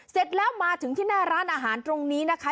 เสร็จแล้วมาถึงที่หน้าร้านอาหารตรงนี้นะคะ